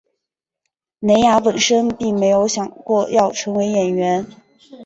蕾雅本身并没有想过要成为演员。